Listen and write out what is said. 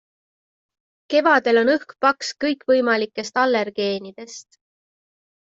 Kevadel on õhk paks kõikvõimalikest allergeenidest.